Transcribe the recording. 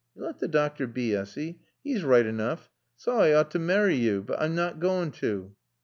"Yo' let t' doctor bae, Essy. 'E's right enoof. Saw I ought t' marry yo'. But I'm nat goain' to."